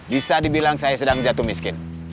bisa dibilang saya sedang jatuh miskin